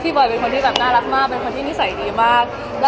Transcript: บอยเป็นคนที่แบบน่ารักมากเป็นคนที่นิสัยดีมาก